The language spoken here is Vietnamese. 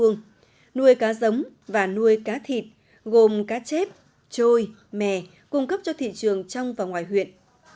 nuôi cá giống và nuôi cá thịt gồm cá chép trôi mè cung cấp cho thị trường trong và ngoài huyện